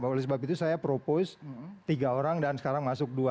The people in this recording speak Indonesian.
oleh sebab itu saya propose tiga orang dan sekarang masuk dua